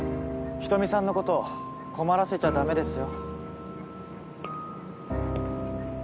人見さんのこと困らせちゃダメですよ